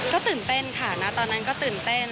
ก็ตื่นเต้นค่ะณตอนนั้นก็ตื่นเต้น